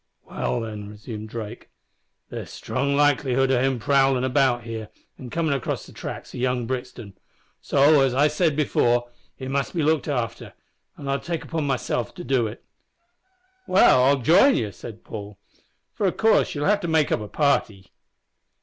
"Well, then," resumed Drake, "there's strong likelihood o' him prowlin' about here, and comin' across the tracks o' young Brixton; so, as I said before, he must be looked after, and I'll take upon myself to do it." "Well, I'll jine ye," said Paul, "for of course ye'll have to make up a party."